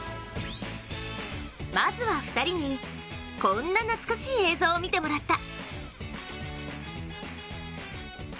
まずは２人に、こんな懐かしい映像を見てもらった。